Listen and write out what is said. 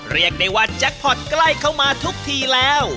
เรียกได้ว่าแจ็คพอร์ตใกล้เข้ามาทุกทีแล้ว